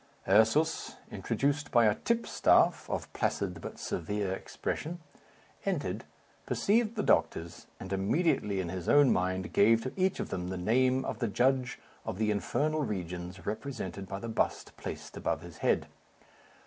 Ursus, introduced by a tipstaff, of placid but severe expression, entered, perceived the doctors, and immediately in his own mind, gave to each of them the name of the judge of the infernal regions represented by the bust placed above his head.